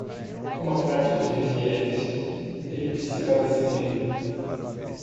"Uma prática de infiéis?" ele disse para si mesmo.